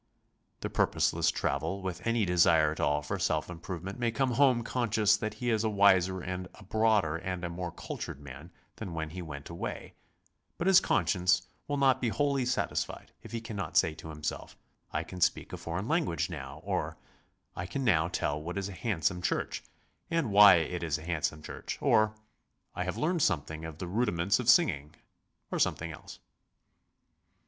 The purposeless traveler with any desire at all for self improvement may come home conscious that he is a wiser and a broader and a more cultured man than when he went away, but his conscience will not be wholly satisfied if he cannot say to himself, "I can speak a foreign language now," or, "I can now tell what is a hand some church, and why it is a handsome church," or, "I have learned something of the rudiments of singing," or some thing else.